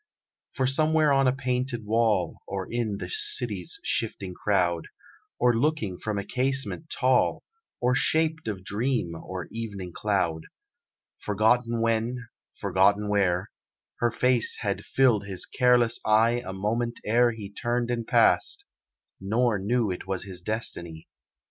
For somewhere on a painted wall, Or in the city's shifting crowd, Or looking from a casement tall, Or shaped of dream or evening cloud Forgotten when, forgotten where Her face had filled his careless eye A moment ere he turned and passed, Nor knew it was his destiny.